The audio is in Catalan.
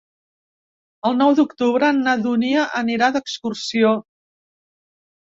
El nou d'octubre na Dúnia anirà d'excursió.